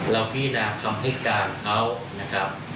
แล้วพี่นาคำให้การเขา